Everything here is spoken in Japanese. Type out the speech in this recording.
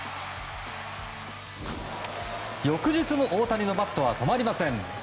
翌日も大谷のバットは止まりません。